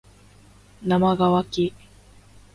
なまがわき